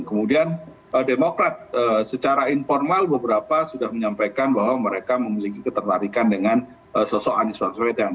kemudian demokrat secara informal beberapa sudah menyampaikan bahwa mereka memiliki ketertarikan dengan sosok anies waswedan